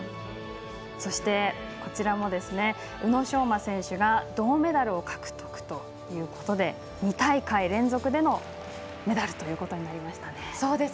そしてこちらも宇野昌磨選手が銅メダルを獲得で２大会連続でのメダルとなりましたね。